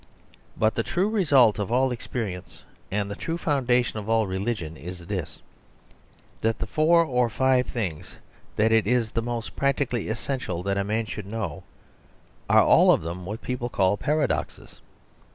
But the true result of all experience and the true foundation of all religion is this. That the four or five things that it is most practically essential that a man should know, are all of them what people call paradoxes.